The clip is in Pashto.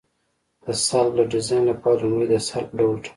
د سلب د ډیزاین لپاره لومړی د سلب ډول ټاکو